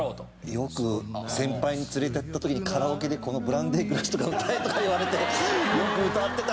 よく先輩に連れて行かれた時にカラオケで『ブランデーグラス』とか歌えとか言われてよく歌ってたんだけど。